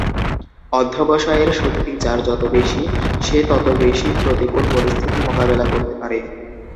অধ্যবসায়ের শক্তি যার যত বেশি সে তত বেশি প্রতিকুল পরিস্থিতি মোকাবেলা করতে পারে।